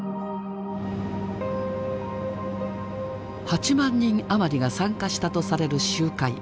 ８万人余りが参加したとされる集会。